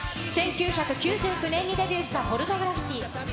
１９９９年にデビューしたポルノグラフィティ。